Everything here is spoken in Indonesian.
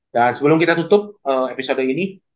dan sebelum kita tutup episode ini